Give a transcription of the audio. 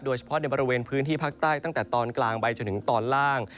เฉพาะในบริเวณพื้นที่ภาคใต้ตั้งแต่ตอนกลางไปจนถึงตอนล่าง